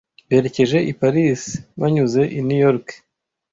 Berekeje i Paris banyuze i New York.